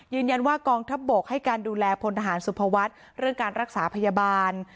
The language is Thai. ว่ากองทัพบกให้การดูแลพลทหารสุภวัฒน์เรื่องการรักษาพยาบาล